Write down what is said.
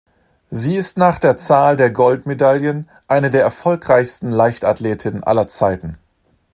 Sie ist nach der Zahl der Goldmedaillen eine der erfolgreichsten Leichtathletinnen aller Zeiten.